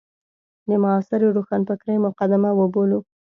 د معاصرې روښانفکرۍ مقدمه وبولو.